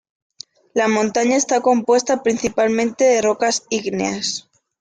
La montaña está compuesta principalmente de rocas ígneas.